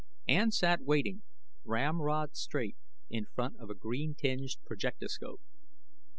Ann sat waiting, ramrod straight, in front of a green tinged projectoscope.